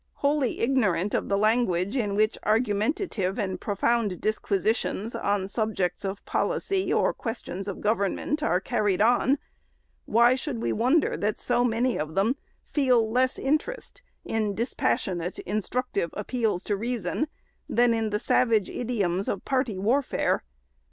Wholly ignorant of the language in which argumentative and profound disquisitions, on subjects of policy or questions of government, are carried on, why should we wonder that so many of them feel 558 THE SECRETARY'S less interest in dispassionate, instructive appeals to reason, than in the savage idioms of party warfare